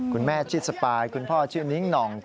คุณแม่ชื่อสปายคุณพ่อชื่อนิ้งหน่อง